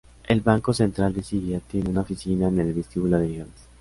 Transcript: El "Banco Central de Siria" tiene una oficina en el vestíbulo de llegadas.